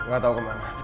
gak tau kemana